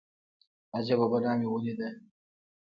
اجبه بلا مې وليده.